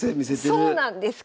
そうなんです。